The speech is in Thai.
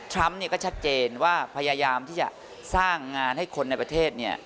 ทรัพย์ก็ชัดเจนว่าพยายามที่จะสร้างงานให้คนในประเทศ